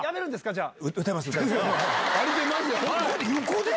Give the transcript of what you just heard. じゃあ。